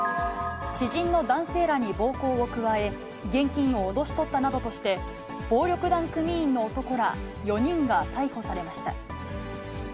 知人の男性らに暴行を加え、現金を脅し取ったなどとして、暴力団組員の男ら４人が逮捕されました。